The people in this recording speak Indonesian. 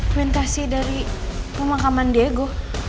komentasi dari pemakaman diego